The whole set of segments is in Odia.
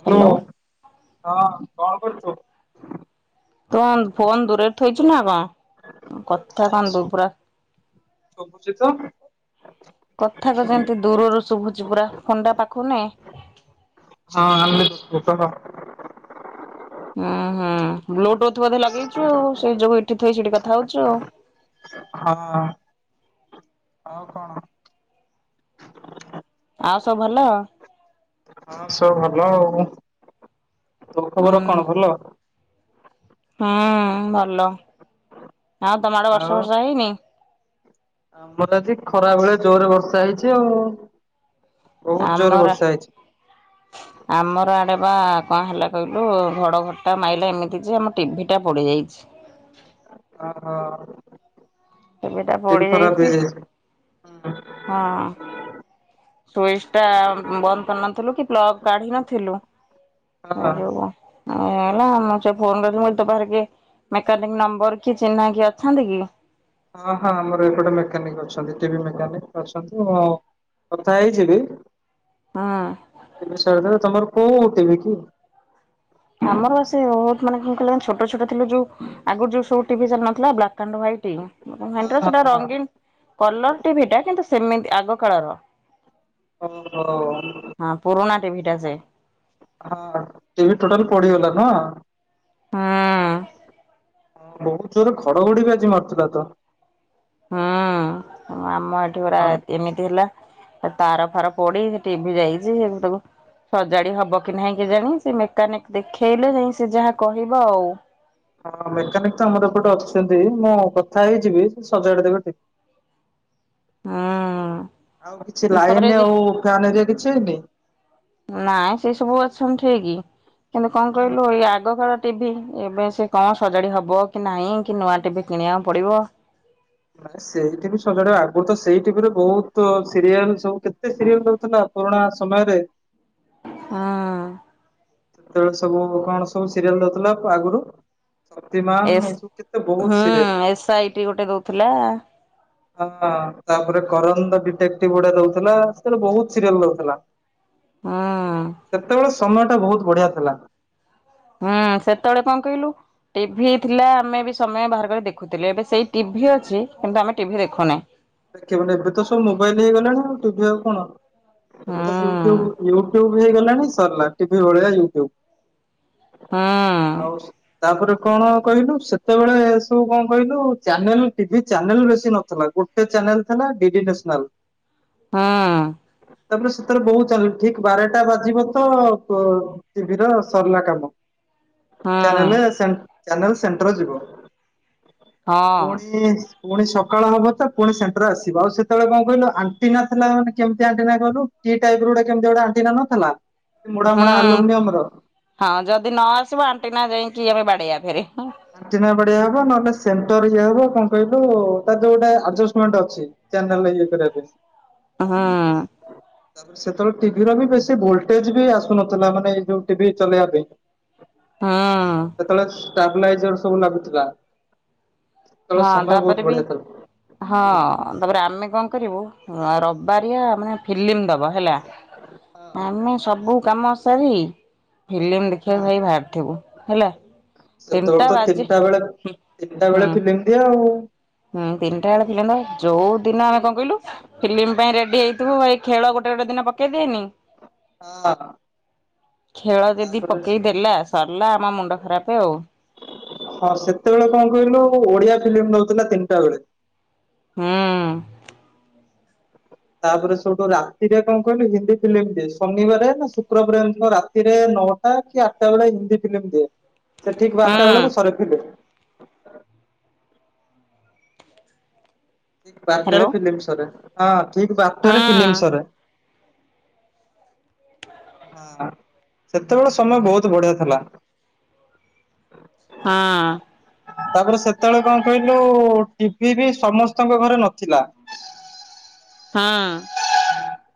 ହାଲୋ ହ୍ୟାଲୋ ତୁନ୍ ଫୋନ୍ ଦୂରେରେ ଥୋଇଚୁ ନା କଁ? ଆଁ କ ନାଇଁ ଥା ଦୁ ଶୁ ପୁରା। ଶୁଭୁଛି ତ ହଁ କଥା ତ ଯେମିତି ଦୂରରୁ ଶୁଭୁଚି ପୁରା ଫୋନ୍ ଟା ପାଖକୁ ନେ। ହଁ ଆ [inaudible] ଉଁ ହୁଁ ବ୍ଲୁଟୁଥ୍ ବୋଧେ ଲଗେଇଚୁ ଆଉ ସେଇ ଯୋଗୁ ଏଠି ଥୋଇ ସେଠି କଥା ହଉଚୁ ଆଉ। ହଁ। ଆଉ କଣ? ଆଉ ସବୁ ଭଲ? ହଁ ସବୁ ଭଲ ଆଉ। ତୋ ହୁଁ ଖବର କଣ ଭଲ? ହୁଁ ଭଲ। ଆଉ ତମ ଆଡେ ଆଉ ବର୍ଷା ଫର୍ଷା ହେଇନି? ଆମର ତ ଆଜି ଖରା ବେଳେ ଜୋରେ ବର୍ଷା ହେଇଚି ଆଉ। ବହୁତ ଜୋରରେ ଆମରା ବର୍ଷା ହେଇଛି। ଆମର ଆଡ଼େ ବା କଣ ହେଲା କହିଲୁ ଘଡ଼ଘଡ଼ିଟା ମାଇଲା ଏମିତି ଯେ ଆମ ଟିଭି ଟା ପୋଡିଯାଇଚି। ହ ହଁ। ଟିଭିଟା ପଡି ଯାଇଚି ହଁ। ସୁଇସ୍ ଟା ବନ୍ଦ କରିନଥିଲୁ କି ପ୍ଲଗ୍ କାଢି ନଥିଲୁ। ଏଇ ଯୋଉ ହେଲା ମୁଁ ସେ ଫୋନଥିଲି ବୋଲି ତ ବାହାରିକେ ମେକାନିକ୍ ନମ୍ବର କି ଚିହ୍ନା କିଏ ଅଛନ୍ତି କି? ହଁ ହଁ ଆମର ଏପଟେ ମେକାନିକ୍ ଅଛନ୍ତି ଟିଭି ମେକାନିକ ଅଛନ୍ତି ମୁଁ କଥା ହେଇଯିବି। ହୁଁ। [inaudible] ତମର କୋଉ ଟିଭି କି? ଆମର ବା ସେ ବହୁତ ମାନେ କଣ କହିଲେ ଛୋଟ ଛୋଟ ଥିଲ ଯୋଉ ଆଗରୁ ଯୋଉ ସବୁ ଟିଭି ସବୁ ନଥିଲା ବ୍ଲାକ୍ ଆଣ୍ଡ ୱାଇଟ୍। ହଁ ସେଟା ରଙ୍ଗୀନ କଲର ଟିଭି ଟା କିନ୍ତୁ ସେମିତି ଆଗ କାଳର। ଓହୋ। ହଁ ପୁରୁଣା ଟିଭି ଟା ସେ। ହଁ ଟିଭି ଟୋଟାଲ୍ ପୋଡ଼ିଗଲା ନୁହଁ? ହୁଁ। ବହୁତ ଜୋରରେ ଘଡ଼ ଘଡ଼ି ବି ଆଜି ମାରୁଥିଲା ତ। ହୁଁ ଆମ ଏଠି ପୁରା ହଁ ଏମିତି ହେଲା ହେତାର ଫାର ପୋଡ଼ି ସେ ଟିଭି ଯାଇଚି ଏନ୍ ତାକୁ ସଜାଡ଼ି ହବ କି ନାହିଁ କେ ଜାଣି। ସେ ମେକାନିକ ଦେଖେଇଲେ ଯାଇ ସେ ଯାହା କହିବ ଆଉ। ହଁ ମେକାନିକ୍ ତ ଆମର ଏପଟେ ଅଛନ୍ତି ମୁଁ କଥା ହେଇଯିବି ସେ ସଜାଡ଼ି ଦେବେ ଟିକେ। ହୁଁ ଆଉ କିଛି ତାପରେ ଲାଇନ ଯେ ଆଉ ଫ୍ୟାନ ହେରିକା କିଛି ହେଇନି? ନାଇଁ ସେ ସବୁ ଅଛନ୍ତି ଠିକ, କିନ୍ତୁ କଣ କହିଲୁ ଏଇ ଆଗ କାଳର ଟିଭି ଏବେ ସେ କଣ ସଜାଡ଼ି ହବ କି ନାଇଁ କି ନୂଆ ଟିଭି କିଣିବାକୁ ପଡ଼ିବ। ନା ସେଇ ଟିଭି ସଜାଡ଼ି ହବ। ଆଗରୁ ତ ସେଇ ଟିଭିରେ ବହୁତ ସିରିଏଲ ସବୁ କେତେ ସିରିଏଲ ଦଉଥିଲା ପୁରୁଣା ସମୟରେ। ହୁଁ। ସେତେବେଳେ ସବୁ କଣ ସବୁ ସିରିଏଲ ଦଉଥିଲା ଆଗୁରୁ? ଶକ୍ତିମାନ ଏସ୍ ଏଇସବୁ କେତେ ହୁଁ ବହୁତ ସିରିଏଲ। ଏସ୍ ଆଇ ଟି ଗୋଟେ ଦୋଉଥିଲା। ହଁ ତାପରେ କରନ୍ ଡିଟେକ୍ଟିଭ ଗୁଡା ଦୋଉଥିଲା। ସେଥିରେ ବୋହୁତ୍ ସିରିଏଲ୍ ଦୋଉଥିଲା। ହଁ। ସେତେବେଳେ ସମୟ ଟା ବୋହୁତ୍ ବଢ଼ିଆ ଥିଲା। ହଁ ସେତେବେଳେ କଣ କହିଲୁ ଟିଭି ଥିଲା ଆମେ ବି ସମୟ ବାହାର କରି ଦେଖୁଥିଲେ, ଏବେ ସେଇ ଟିଭି ଅଛି କିନ୍ତୁ ଆମେ ଟିଭିି ଦେଖୁନାହିଁ। କେବେ ଏବେ ତ ସବୁ ମୋବାଇଲି ହେଇଗଲାଣି, ଆଉ ଟିଭି ଆଉ କଣ ଏବେ ହୁଁ ତ ୟୁଟ୍ୟୁବ୍, ୟୁଟ୍ୟୁବ୍ ଟ୍ୟୁବ୍, ହେଇଗଲାଣି ସରିଲା ଟିଭି ଭଳିଆ ୟୁଟ୍ୟୁବ୍। ହୁଁ ତାପରେ କଣ କହିଲୁ, ସେତେବେଳେ ସବୁ କଣ କହିଲୁ ଚ୍ୟାନେଲ୍ ଟିଭି ଚ୍ୟାନେଲ୍ ବେଶୀ ନଥିଲା ଗୋଟେ ଗୋଟେ ଚ୍ୟାନେଲ୍ ଥିଲା ଡିଡି ନ୍ୟାସନାଲ୍। ହଁ। ତାପରେ ସେଥିରେ ବୋହୁତ୍ ଚାଲ ଠିକ୍ ବାରଟା ବାଜିବ ତ ଟିଭିି ର ସରିଲା କାମ। ହୁଁ ଚ୍ୟାନେଲେ ସେ ଚ୍ୟାନେଲ୍ ସେଣ୍ଟର ଯିବ। ହଁ ଫୁଣି ଫୁଣି ସକାଳ ହବ ତ ପୁଣି ସେଣ୍ଟର ଆସିବ। ଆଉ ସେତେ ବେଳେ କଣ କହିଲୁ, ଆଣ୍ଟିନା ଥିଲା କେମିତି ଆଣ୍ଟିନା କହିଲୁ, ଟି ଟାଇପ୍ ର ଗୋଟେ କେମିତି ଆଣ୍ଟିନା ନ ଥି ଲା, ହଁ ମୋଡ଼ା, ମୋଡ଼ା ହୁଁ ଆଲୋମିନିୟମ ର। ହଁ ଯଦି ନ ଆସିବ ଆଣ୍ଟିନା ଯାଇଙ୍କି ଆମେ ବାଡ଼େଇବା ଫେରେ ଆଣ୍ଟିନା ବାଡ଼ିଆ ହବ, ନହେଲେ ସେଣ୍ଟର ଇଏ ହବ, କଣ କହିଲୁ ତା ଯୋଉଟା ଆଡଜଷ୍ଟମେଣ୍ଟ ଅଛି। ଚ୍ୟାନେଲ୍ ର ଇଏ କରିବା ପାଇଁ। ହୁଁ ତା, ସେତେବେଳେ ଟିଭିର ବି ବେଶୀ ଭୋଲଟେଜ୍ ବି ଆସୁନଥିଲା ମାନେ ଏଇ ଯୋଉ ଟିଭି ଚଲେଇବା ପାଇଁ। ହଁ। ସେତେବେଳେ ଷ୍ଟାବ୍ଲାଇଜର୍ ସବୁ ଲାଗିଥିଲା। ହଁ ତାପରେ ବି ହଁ। ହଁ ତାପରେ ଆମେ କଣ କରିବୁ, ରିବାରିଆ ମାନେ ଫିଲ୍ମ ଦେବ ହେଲା ଆମେ ସବୁ କାମ ସାରି ଫିଲ୍ମ ଦେଖିବାକୁ ଭାଇ ବାହାରିଥିବୁ ହେଲା। ସେତେବେଳେ ତିନିଟା ତ ବାଜି ତିନିଟା ବେଳେ, ତିନିଟା ହୁଁ। ବେଳେ ଫିଲ୍ମ ଦିଆ ଆଉ। ହୁଁ ତିନିଟା ବେଳେ ଫିଲ୍ମ ନାହିଁ, ଯୋଉ ଦିନ ଆମେ କଣ କହିଲୁ ଫିଲ୍ମ ପାଇଁ ରେଡି ହେଇଥିବୁ ଭାଇ ଖେଳ ଗୋଟେ ଗୋଟେ ଦିନ ପକେଇଦିଏନି? ହଁ। ଖେଳ ଯଦି ତାପରେ ପକେଇ ଦେଲା ସରିଲା ଆମ ମୁଣ୍ଡ ଖରାପ ଆଉ। ହଁ ସେତେବେଳେ କଣ କହିଲୁ ଓଡିଆ ଫିଲ୍ମ ଦୋଉଥିଲା ତିନିଟା ବେଳେ। ହଁ। ତାପରେ ସେଇଠୁ ରାତିରେ କଣ କହନି ହିନ୍ଦୀ ଫିଲ୍ମ ଦିଏ। ଶନିବାର ନା ଶୁକ୍ରବାର ରାତିରେ ନଅଟା ହ କି ଆଠଟାବେଳେ ହିନ୍ଦୀ ଫିଲ୍ମ ଦିଏ। ହ ସେ ଠିକ୍ ବାରଟା ବେଳକୁ ସରେ ଫିଲ୍ ହ୍ୟାଲୋ ବାରଟାରେ ଫିଲ୍ମ ସରେ। ହଁ ଠିକ୍ ହୁଁ ବାରଟାରେ ଫିଲ୍ମ ସରେ। ହଁ ସେତେବେଳେ ସମୟ ବୋହୁତ୍ ବଢିଆ ଥିଲା। ହଁ। ତାପରେ ସେତେବେଳେ କଣ କହିଲୁ ଟିଭି ବି ସମସ୍ତଙ୍କ ଘରେ ନଥିଲା। ହଁ।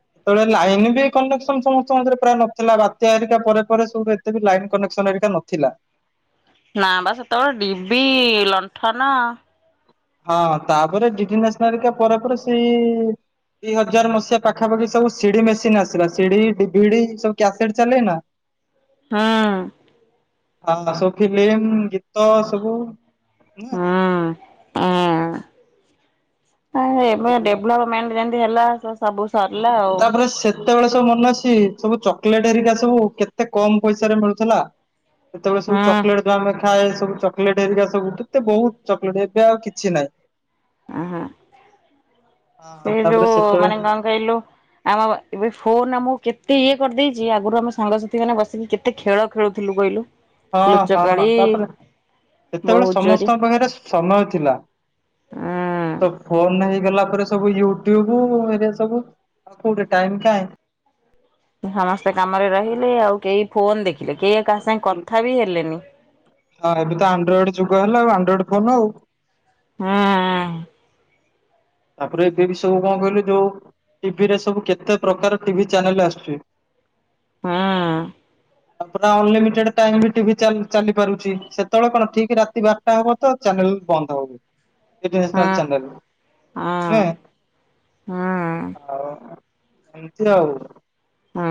ସେତେବେଳେ ଲାଇନ୍ ବି କନେକ୍ସନ ସମଙ୍କ ଘରେ ପ୍ରାୟ ନଥିଲା। ବାତ୍ୟା ହେରିକା ପରେ ସବୁ ଏତେ ଲାଇନ୍ କନେକ୍ସନ ଏରିକା ନଥିଲା। ନା ବା ସେତେବେଳେ ଡିବି, ଲଣ୍ଠନ ହଁ ତାପରେ ଡିଡି ନେସନାଲ ପରେ ପରେ ସେଇ ଦି ହଜାର ମସିହା ପାଖାପାଖି ସବୁ ସିଡି ମେସିନ୍ ଆସିଲା। ସିଡି ଡିଭିଡି ସବୁ କ୍ୟାସେଟ୍ ଚାଲେ ନା ହଁ। ଆ ସବୁ ଫିଲ୍ମ, ଗୀତ ସବୁ ହୁ। ହୁଁ ଆ ଆଉ ଏବେ ଡେଭଲପମେଣ୍ଟ ଯେମିତି ହେଲା ସବୁ ସରିଲା ଆଉ ତାପରେ ସେ କେତେବେଳେ ସବୁ ମନେ ଅଛି ସବୁ ଚକୋଲେଟ ଏରିକା ସବୁ କେତେ କମ ପଇସାରେ ମିଳୁଥିଲା। ସେତେବେଳେ ସବୁ ହୁଁ ଚକଲେଟ ଆମେ ଖାଏ ସବୁ ଚକୋଲେଟ ହେରିକା ସବୁ କେତେ ବହୁତ ଚକୋଲେଟ ଏବେ ଆଉ କିଛି ନାହିଁ। ହୁଁ ହୁଁ। ସେ ହଁ ତାପରେ ଯୋଉ ମାନେ ସେତେବେଳେ କଣ କହିଲୁ ଆମ ଏବେ ଫୋନ ଆମୁକୁ କେତେ ଇଏ କରିଦେଇଛି ଆଗରୁ ଆମ ସାଙ୍ଗସାଥି ମାନେ ବସିକି କେ ତେ ଖେଳ ଖେଳୁଥିଲୁ କହିଲୁ। ହଁ ହଁ ଲୁଚକାଳି ତାପରେ ସେତେବେଳେ ବୋହୁ ଚୋରି ସମସ୍ତଙ୍କ ପାଖରେ ସମୟ ଥିଲା। ଉଁ ଏ ତ ଫୋନ ହେଇଗଲା ପରେ ସବୁ ୟୁଟ୍ୟୁବ ଏଆ ସବୁ ଆଉ କୋଉଠି ଟାଇମ୍ କାଇଁ? ସମସ୍ତେ କାମରେ ରହିଲେ ଆଉ କେହି ଫୋନ ଦେଖିଲେ କେହି କାହା ସାଙ୍ଗେ କଥା ବି ହେଲେନି। ହଁ ଏବେ ତ ଆଣ୍ଡ୍ରଏଡ ଯୁଗ ହେଲା ଆଉ ଆଣ୍ଡ୍ରଏଡ ଫୋନ ଆଉ ହୁଁ। ତାପରେ ଏବେ ବି ସବୁ କଣ କହିଲୁ ଯୋଉ ଟିଭି ରେ ସବୁ କେତେ ପ୍ରକାର ଟିଭି ଚ୍ୟାନେଲ ଆସୁଛି ହୁଁ। ତା ପୁରା ଅନଲିମିଟେଡ ଟାଇମ୍ ବି ଟିଭି ଚାଲି ପାରୁଛି ସେତେବେଳେ କଣ ଠିକ ରାତି ବା ରାଜା ହବ ତ ଚ୍ୟାନେଲ ବନ୍ଦ ହୁଁ [unintelligible] ଚାନେଲ ନୁ ହୁଁ ହୁଁ ଆଉ ଏମିତି ଆଉ। ହୁଁ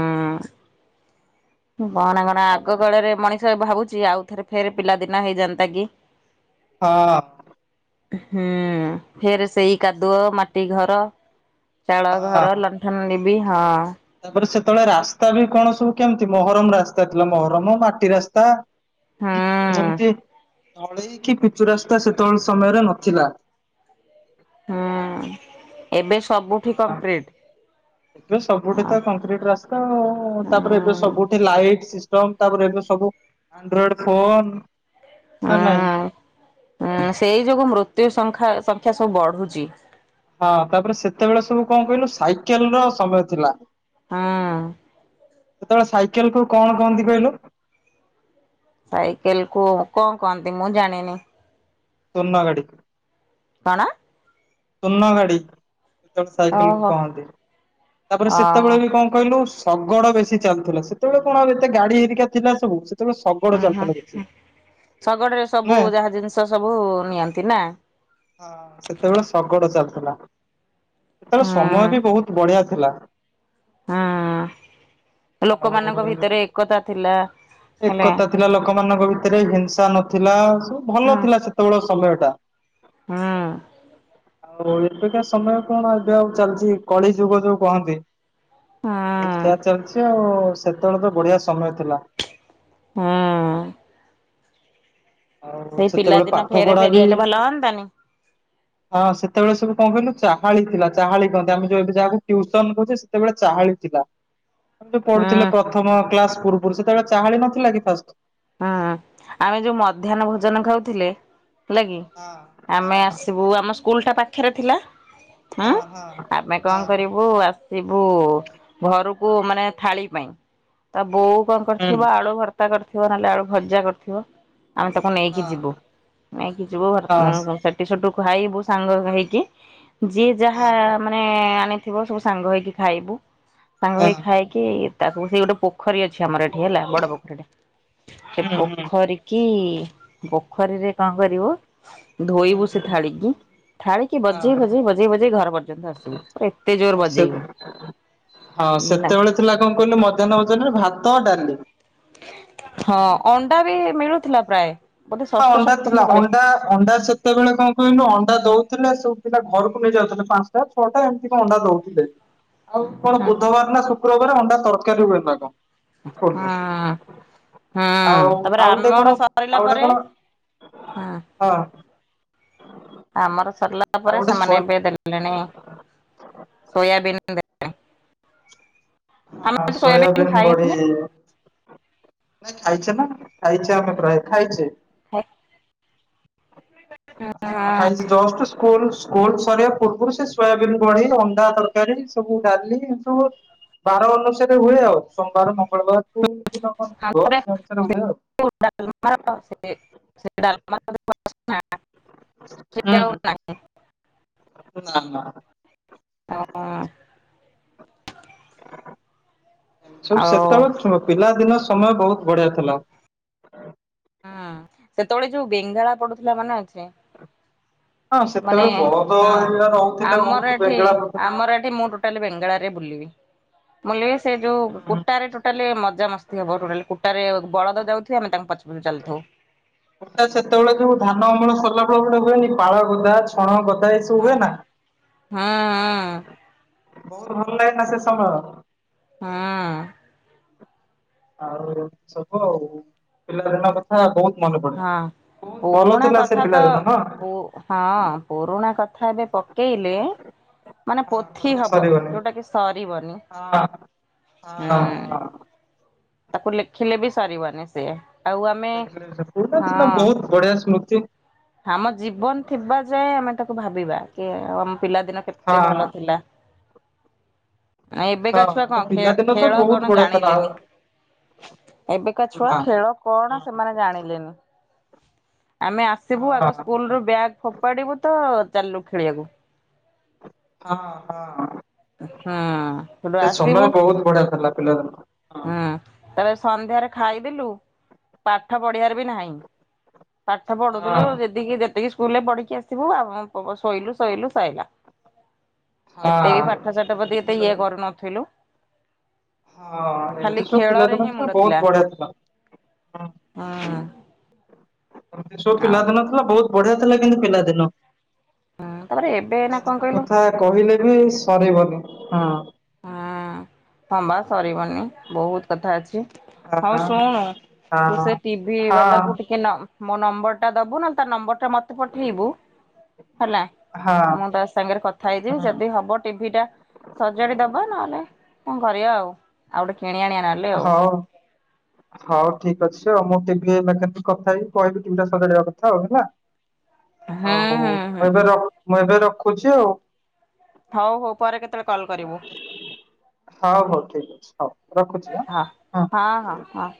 କହନା କହନା ଆଗ କାଳରେ ମଣିଷ ସେ ଭାବୁଛି ଆଉ ଥରେ ଫେର ପିଲା ଦିନ ହେଇଯାନ୍ତା କି। ହଁ। ହୁଁ ଫେରେ ସେଇ କାଦୁଅ ମାଟି ଘର ଚାଳ ଘର ଲଣ୍ଠନ ଡିବି ହଁ। ତାପରେ ସେତେବେଳେ ରାସ୍ତା ବି କଣ ସବୁ କେମିତି ମହରମ ରାସ୍ତା ଥିଲା ମହରମ ମାଟି ରାସ୍ତା। ହୁଁ ଏମତି ଟିକେ ଢଳେଇ କିି ପିଚୁ ରାସ୍ତା ସେତେବେଳେ ସମୟରେ ନଥିଲା। ହୁଁ ଏବେ ସବୁଠି ହଁ। କଂକ୍ରିଟ୍। ଏବେ ସବୁଠି ତ କଂକ୍ରିଟ ରାସ୍ତା ଆଉ ତାପରେ ଏବେ ହୁଁ ସବୁଠି ଲାଇଟ୍ ସିଷ୍ଟମ୍ ତାପରେ ଏବେ ସବୁ ଆଣ୍ଡ୍ରଏଡ଼ ଫୋନ୍ ନା ନାଇଁ? ହୁଁ। ହୁଁ ସେଇ ଯୋଗୁଁ ମୃତ୍ୟୁ ସଂଖା ସଂଖ୍ୟା ସବୁ ବଢୁଛି। ହଁ ତାପରେ ସେତେବେଳେ ସବୁ କଣ କହିଲ ସାଇକେଲ ର ସମୟ ଥିଲା। ହୁଁ। ସେତେବେଳେ ସାଇକେଲ କୁ କଣ କହନ୍ତି କହିଲ? ସାଇକେଲ କୁ କଣ କହନ୍ତି ମୁଁ ଜାଣିନି‌। ସୋନଗାଡ଼ି କୁ କଣ? ସୋନଗାଡ଼ି। ଯେତେବେଳେ ସାଇକେଲକୁ ଓହୋ କହନ୍ତି। ତାପରେ ଓହୋ ସେତେବେଳେ ବି କଣ କହିଲୁ ଶଗଡ ବେଶୀ ଚାଲୁଥିଲା ସେତେବେଳେ କଣ ଏତେ ଗାଡି ହେରିକା ଥିଲା ସବୁ ସେତେବେଳେ ଶଗଡ଼। ଓ ହୋ ଶଗଡ଼ରେ ସବୁ ନୁହେଁ ଯାହା ଜିନିଷ ସବୁ ନିଅନ୍ତି ନା। ହଁ ସେତେବେଳେ ଶଗଡ଼ ଚାଲୁଥିଲା। ସେତେବେଳେ ସମୟ ହୁଁ ବି ବହୁତ ବଢିଆ ଥିଲା। ହଁ ଲୋକମାନଙ୍କ ଆଉ ଭିତରେ ଏକତା ଥିଲା। ହେଲା ଏକତା ଥିଲା ଲୋକମାନଙ୍କ ଭିତରେ ହିଂସା ନଥିଲା ସବୁ ଭଲ ହୁଁ ଥିଲା। ସେତେବେଳ ସମୟ ଟା‌। ହୁଁ। ଆଉ ଏବେକା ସମୟ କଣ ଏବେ ଆଉ ଚାଲିଛି କଳି ଯୁଗ ଯୋଉ କହନ୍ତି। ହୁଁ ସେୟା ଚାଲିଛି ଆଉ ସେତେବେଳେ ତ ବଢିଆ ସମୟ ଥିଲା। ହଁ। ଆଉ ସେଇ ପିଲା ସେତେବେଳେ ଦିନ ପାଠ ଫେରେ ପଢା ଫେରି ବି ଆଇଲେ ଭଲ ହଅନ୍ତାନି। ହଁ ସେତେବେଳେ ସବୁ କଣ କହିଲୁ ଚାହାଳି ଥିଲା, ଚାହାଳି କହନ୍ତି ଆମ ଯୋଉଠି ଯାହାକୁ ଟ୍ୟୁସନ କୋହୁଚେ। ସେତେବେଳେ ଚାହାଳି ଥିଲା। ଆମେ ଯୋଉ ପଢୁଥିଲେ ହୁଁ। ପ୍ରଥମ କ୍ଲାସ୍ ପୂର୍ବରୁ ସେତେବେଳେ ଚାହାଳି ନଥିଲା କି ଫାଷ୍ଟ୍? ହଁ ଆମେ ଯୋଉ ମଧ୍ୟାହ୍ନ ଭୋଜନ ଖାଉଥିଲେ ହେଲାକିି ହଁ ଆମେ ହଁ ଆସିବୁ ଆମ ସ୍କୁଲ୍ ଟା ପାଖରେ ଥିଲା। ଥାଏ ହଁ ଆମେ କଣ ହଁ କରିବୁ ଆ ଆସିବୁ ଘରକୁ ମାନେ ଥାଳି ପାଇଁ ତା ବୋଉ କଣ ହଁ କରିଥିବ ଆଳୁ ଭ୍ରତା କରିଥିବ ନହେଲେ ଆଳୁ ଭଜା କରିଥିବ। ଆମେ ତାକୁ ନେଇକି ହଁ। ଯିବୁ, ନେଇକି ଯିବୁ ହଁ [unintelligible] ସେଠୁ ଖାଇବୁ ସାଙ୍ଗ ହେଇକି ଯିଏ ଯାହା ହଁ ମାନେ ଆଣିଥିବ ସବୁ ସାଙ୍ଗ ହେଇକି ଖାଇବୁ, ସାଙ୍ଗ ହେଇକି ଖା କି ତାକୁ ସେଇ ଗୋଟେ ପୋଖରୀ ଅଛି ଆମର, ଏଠି ହେଲା ବଡ ପୋଖରୀଟେ। ସେ ହୁଁ ହୁଁ ପୋଖରୀ କି ପୋଖରୀରେ କଣ କରିବୁ? ହୁଁ ଧୋଇବୁ ସେ ଥାଳିିକି ଥାଳିିକି ବଜେଇ ହଁ। ବଜେଇ ବଜେଇ ବଜେଇ ଘର ପର୍ଯ୍ୟନ୍ତ ଆସିବୁ। ଏତେ ଜୋର ହଁ ସେ ବଜେଇବୁ ହଁ ନା। ସେତେବେଳେ ଥିଲା କଣ କହିଲୁ ମଧ୍ୟାହ୍ନ ଭୋଜନ ଜନରେ ଭାତ ଡାଲି। ହଁ ଅଣ୍ଡା ବି ମିଳୁଥିଲା ପ୍ରାୟ। ବୋଧେ ହଁ ଷଷ୍ଠ ଅଣ୍ଡା ଥିଲା ସପ୍ତମରେ ପଡେ। ଅଣ୍ଡା ଅଣ୍ଡା ସେ ସେତେବେଳେ କଣ କହିଲୁ ଅଣ୍ଡା ଦଉଥିଲା ସବୁ ପିଲା ଘରକୁ ନେଇ ଯାଉଥିଲେ, ପାଞ୍ଚଟା ଛଅଟା ଏମିତି କଣ ଅଣ୍ଡା ଦଉଥିଲେ। ଆଉ କଣ ହଁ ବୁଧବାର ନା ଶୁକ୍ରବାର ଅଣ୍ଡା ତରକାରୀୁ ହୁଏ କଣ। ହୁଁ ସ୍କୁଲରେ ହୁଁ ଆଉ ତାପରେ ଆଉ ଗୋଟେ କଣ ଆମର ଆଉ ସରିଲା ଗୋଟେ ପରେ କଣ ହଁ। ହଁ। ଆମର ସରିଲା ଆଉ ପରେ ଗୋଟେ ସେମାନେ ସୋୟା ଏବେ ଦେଲେଣି ସୋୟାବିନ୍ ଆମେ ହ ତ ସୋୟାବିନ୍ ସୋୟାବନ୍ ଖାଇନୁ। ବଡି। ନାଇଁ ଖାଇଛେ ନା ଖାଇଛେ ଆମେ ପ୍ରାୟ ଖାଇଛେ। ହ ହଁ ଖାଇଛି ଜଷ୍ଟ ସ୍କୁଲ ସ୍କୁଲ ସରିବା ପୂର୍ବରୁ ସେ ସୋୟାବନ୍ ବଡି ଅଣ୍ଡା ତରକାରୀ ସବୁ ଡାଲି ଏ ସବୁ ବାର ଅନୁସାରେ ହୁଏ ହୋଉଚି। ସୋମବାର ମଙ୍ଗଳବାରକୁ ଦିନ କଣ ଥିବ ସେ ଅନୁସାରେ ହୁଏ ଆଉ। ସେ ଡାଲମା ହୁଁ। [unintelligible] ନା ନା ସବୁ ଆଉ ସେତେବେଳେ ପିଲା ଦିନ ସମୟ ବୋହୁତ ବଢିଆ ଥିଲା। ହୁଁ ସେତେବେଳେ ଯୋଉ ବେଙ୍ଗଳା ପଡୁଥିଲା ମାନେ ଅଛେ ହଁ ମାନେ ସେତେବେଳେ ବଳଦ ହଁ ହେରିକା ରହୁଥିଲେ ବହୁତ ଆମର ଏଠି ବେଙ୍ଗଳା ପଡୁଥିଲା। ଆମର ଏଠି ମୁଁ ତାେ ବେଙ୍ଗଳରେ ବୁଲିବି। ମୁଁ ସେ ଯୋଉ କୁଟାରେ ଟୋଟାଲି ମଜାମସ୍ତି ହବୋଟା କୁଟାରେ ବଳଦ ଜୋଉ ତାଙ୍କ ପ ମ ଚଲଥ ଟା ସେତେବେଳେ ଯୋଉ ଧାନ ଅମଳ ସରିଲା ବେଳେ ପୁରା ହୁଏନି ପାଳ ଗଦା ଛଣ ଗଦା ସବୁ ହ ହୁଏ ନା। ହଁ ହଁ। ବହୁତ ଭଲ ଲାଗଥିଲା ସେ ସମୟ। ହଁ। ଆଉ ଏତି ସବୁ ଆଉ ପିଲାଦିନ କଥା ବୋହୁତ ମନେ ପଡେ। ହଁ। ବହୁତ ଭଲ ପୁରୁଣା ଥିଲା ସେ କଥା ତ ପିଲାଦିନ ନା ହଁ ହଁ ପୁରୁଣା କଥା ଏବେ ପକେଇଲେ ମାନେ ପୋଥି କଥା ହବ ସରିବନି। ଯୋଉଟା କି ସରିବନି ହଁ ହଁ ହୁଁ ହଁ ତାକୁ ଲେଖିଲେ ବି ସାରିବନି ସିଏ ଦେଖ ପୁରୁଣା ଦିନ ବହୁତ ବଢିଆ ସ୍ମୃତି। ଆମ ଜୀବନ ଥିବା ଯାଏଁ ଆମେ ତାକୁ ଭାବିବା କି ଆ ଆମ ପିଲାଦିନ କେତେ ଏତେ ହଁ ଭଲ ଥିଲା। ନାଇଁ ଏବେକା ହଁ ଛୁଆ ମୋ କଣ ପିଲାଦିନ ତ ଖେଳ ବହୁତ କଣ ବଢିଆ ଥିଲା ଆଉ ଜାଣିଲେନି। ଏବେକା ଛୁଆ ନା। ଖେଳ ହଁ କଣ ସେମାନେ ଜାଣିଲେନି। ଆମେ ଆସିବୁ ଆଗ ସ୍କୁଲ ରୁ ବ୍ୟାଗ ଫୋପାଡିବୁ ତ ଚାଲିଲୁ ଖେଳିବାକୁ। ହଁ ହଁ। ହଁ। ସେ ସମୟ ବହୁତ ବଢିଆ ଥିଲା ପିଲା ଦିନ। ହୁଁ ତରେ ସନ୍ଧ୍ୟାରେ ଖାଇଥିଲୁ ପାଠ ପଢିବାର ବି ନାହିଁ। ପାଠ ପଢୁ ଥିଲୁ ଯେ ଯେତିକି ଯେତିକି ସ୍କୁଲ ରେ ପଢିକି ଆସିଥିବୁ ଆଉ ଶୋଇଲୁ ଶୋଇଲୁ ସଲା। ଏତେ ବି ହଁ। ପାଠ ସାଠ ପ୍ରତି ଏମତି ଏତେ ଇଏ ସବୁ କରୁନଥିଲୁ। ହଁ ଖାଲି ଏମିତି ସବୁ ପିଲା ଖେଳରେ ଦିନ ହିଁ ଥିଲା ମୁଣ୍ଡ ବହୁତ ବଢିଆ ଥିଲା। ହଁ। ଏମିତି ସବୁ ପିଲାଦିନ ଥିଲା ବହୁତ ବଢିଆ ଥିଲା କିନ୍ତୁ ପିଲାଦିନ। ତାପରେ ଏବେ ଏଇନା ପିଲା କଣ ଦିନ କହିଲୁ କଥା କହିଲେ ବି ସରିବନି ହଁ। ହୁଁ ହଁବା ସରିବନି ବହୁତ କଥା ଅଛି। ହଉ ହଁ। ଶୁଣୁ ହଁ ତୁ ସେ ଟିଭିି ହଁ ବାଲା କି ନ ମୋ ନମ୍ବର ଟା ଦବୁ ନା ତା ନମ୍ବର ଟା ମତେ ତ ପଠେଇବୁ ହେଲା ହଁ ମୁଁ ତା ସାଙ୍ଗରେ କଥା ହେଇଯିବି ହୁଁ ଯଦି ହବ ଟିଭି ଟା ସଜାଡି ଦବା ନହେଲେ କଣ କରିବା ଆଉ ଆଉ ଗୋଟେ କିଣି ଆଣିବା ନହେଲେ। ଆଉ ହଉ। ହଉ ଠିକ ଅଛି ଆଉ ମୁଁ ଟଟିଭି ମେକାନିକ କଥା ହେଇି କହିବି ଟିଭିଟା ସଜାଡିବା କଥା ଆଉ ହେଲା। ହୁଁ ହଉ ହୁଁ ହୁଁ ମୁଁ ଏବେ ର ମୁଁ ଏବେ ରଖୁଛି ଆଉ। ହଉ ହଉ ପରେ କେତେବେଳେ କଲ୍ କରିବୁ ହଉ ହଉ ଠିକ ଅଛି ହଉ ରଖୁଛି। ହଁ ଆଁ। ହଁ ହଁ ହଁ।